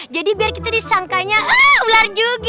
jadi biar kita disangkanya ular juga